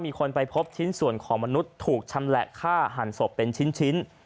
มีคนไปพบชิ้นส่วนของมนุษย์ถูกชำแหละฆ่าหันศพเป็นชิ้น